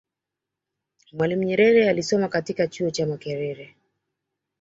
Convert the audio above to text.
mwalimu Nyerere alisoma katika chuo cha makerere